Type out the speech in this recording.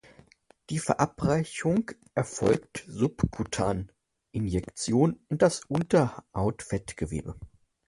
Die Verabreichung erfolgt subkutan (Injektion in das Unterhautfettgewebe).